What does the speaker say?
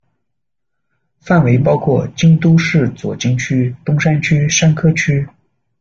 范围包括京都市左京区、东山区、山科区。